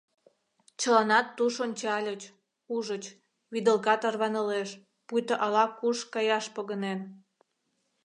Чыланат туш ончальыч, ужыч: вӱдылка тарванылеш, пуйто ала-куш каяш погынен!